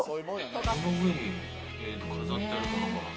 その上に飾ってあるのが。